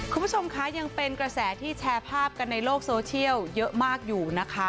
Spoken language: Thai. คุณผู้ชมคะยังเป็นกระแสที่แชร์ภาพกันในโลกโซเชียลเยอะมากอยู่นะคะ